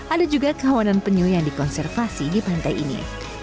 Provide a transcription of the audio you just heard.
ada juga kawanan penyu yang dikonservasi di pantai ini